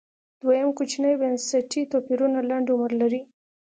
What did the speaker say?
دویم کوچني بنسټي توپیرونه لنډ عمر لري